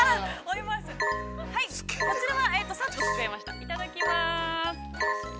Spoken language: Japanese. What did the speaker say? いただきます。